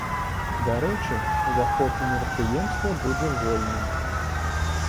Дарэчы, ўваход на мерапрыемства будзе вольным.